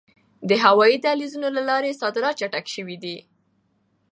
د هوایي دهلیزونو له لارې صادرات چټک شوي دي.